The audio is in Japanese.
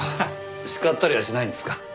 叱ったりはしないんですか？